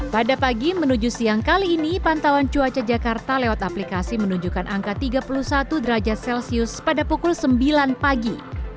pada pagi menuju siang kali ini pantauan cuaca jakarta lewat aplikasi menunjukkan angka tiga puluh satu derajat celcius pada pukul sembilan pagi